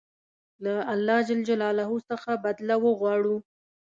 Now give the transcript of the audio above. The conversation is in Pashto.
له الله ج څخه بدله وغواړه.